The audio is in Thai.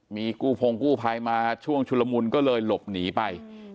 มีกู้พงกู้ภัยมาช่วงชุลมุนก็เลยหลบหนีไป